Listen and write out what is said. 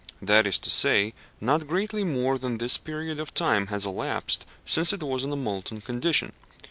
That is to say, not greatly more than this period of time has elapsed since it was in a molten condition.